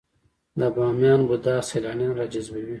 د بامیان بودا سیلانیان راجذبوي؟